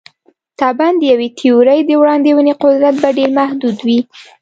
طبعاً د یوې تیورۍ د وړاندوینې قدرت به ډېر محدود وي.